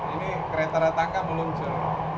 ini keretanya ratangga meluncur